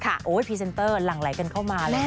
โอ้โหพรีเซนเตอร์หลั่งไหลกันเข้ามาเลยค่ะ